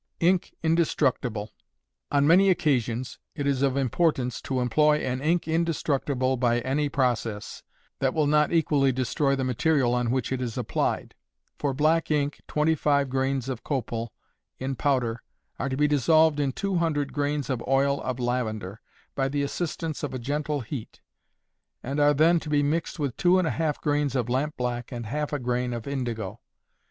Ink, Indestructible. On many occasions it is of importance to employ an ink indestructible by any process, that will not equally destroy the material on which it is applied. For black ink, twenty five grains of copal, in powder, are to be dissolved in two hundred grains of oil of lavender, by the assistance of a gentle heat, and are then to be mixed with two and a half grains of lampblack and half a grain of indigo.